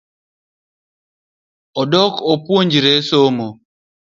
Odok puonjore somo